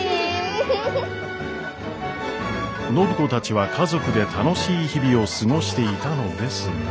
暢子たちは家族で楽しい日々を過ごしていたのですが。